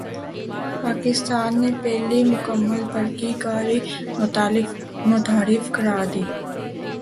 پاکستان نے پہلی مکمل برقی گاڑی متعارف کرادی